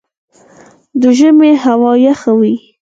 د ژمي هوا یخه وي